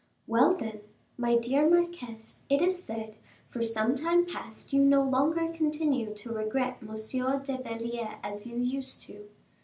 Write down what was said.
"Well, then, my dear marquise, it is said, for some time past, you no longer continue to regret Monsieur de Belliere as you used to."